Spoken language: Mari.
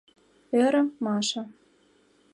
— ӧрӧ Маша.